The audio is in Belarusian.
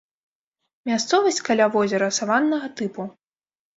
Мясцовасць каля возера саваннага тыпу.